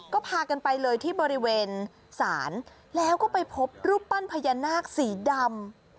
ก็พากันไปเลยที่บริเวณศาลแล้วก็ไปพบรูปปั้นพญานาคสีดำ